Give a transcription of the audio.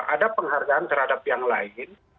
ada penghargaan terhadap yang lain